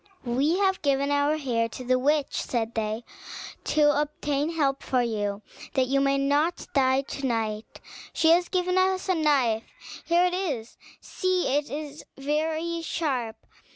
"We have given our hair to the witch," said they, "to obtain help for you, that you may not die to night. She has given us a knife: here it is, see it is very sharp.